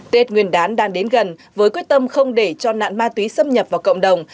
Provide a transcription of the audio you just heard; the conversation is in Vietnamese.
tết nguyên đán đang đến gần với quyết tâm không để cho nạn ma túy xâm nhập vào cộng đồng